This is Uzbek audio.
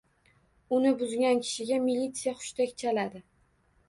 Uni buzgan kishiga militsiya hushtak chaladi.